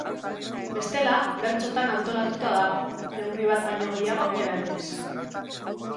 Bestela, bertsotan antolatuta dago, neurri bat baino gehiago erabiliz.